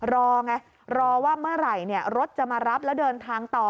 รอไงรอว่าเมื่อไหร่รถจะมารับแล้วเดินทางต่อ